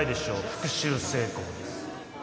復讐成功です。